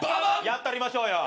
やったりましょうよ。